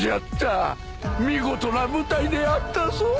見事な舞台であったぞ！